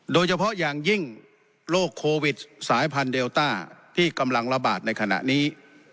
โดยเฉพาะอย่างยิ่งโรคโควิดสายพันธุเดลต้าที่กำลังระบาดในขณะนี้